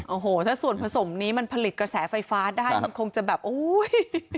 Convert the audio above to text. โอ้โหถ้าส่วนผสมนี้มันผลิตกระแสไฟฟ้าได้มันคงจะแบบโอ้ย